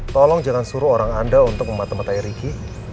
tolong jangan suruh orang anda untuk mematah matahi riki